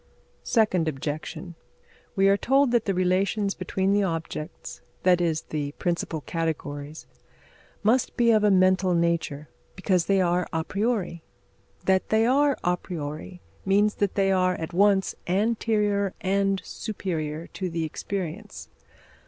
Second objection: we are told that the relations between the objects that is, the principal categories must be of a mental nature, because they are a priori. That they are a priori means that they are at once anterior and superior to the experience.